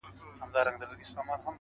• عدالت چي وي په لاس د شرمښانو -